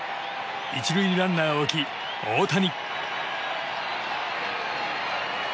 １塁にランナーを置き、大谷。